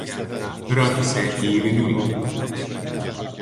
ρώτησε η Ειρηνούλα.